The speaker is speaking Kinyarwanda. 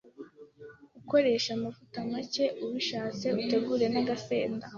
ukoresha amavuta make, ubishatse utegura n’agasenda.